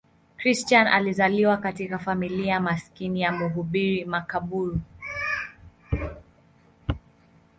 Christian alizaliwa katika familia maskini ya mhubiri makaburu.